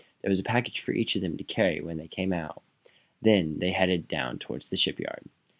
There was a package for each of them to carry when they came out. Then they headed down, toward the shipyard.